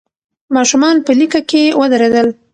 ماشومان په لیکه کې ودرېدل.